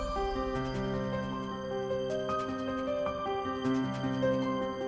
ข้อมูลว่ามีเกิดอะไรนะ